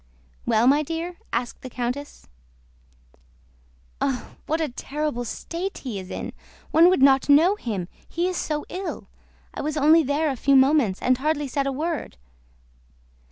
"Well, my dear?" asked the countess. "Oh, what a terrible state he is in! One would not know him, he is so ill! I was only there a few moments and hardly said a word..."